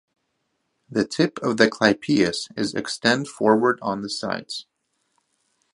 The tip of the clypeus is extend forward on the sides.